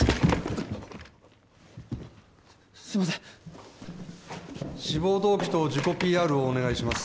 すいません・志望動機と自己ＰＲをお願いします